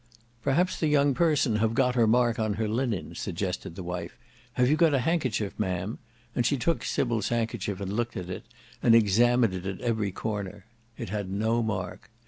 "Perhaps the young person have got her mark on her linen," suggested the wife. "Have you got a handkerchief Ma'am?" and she took Sybil's handkerchief and looked at it, and examined it at every corner. It had no mark.